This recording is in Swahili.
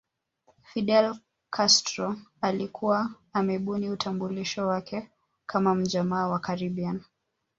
Fidel Castro alikuwa amebuni utambulisho wake kama mjamaa wa Caribbean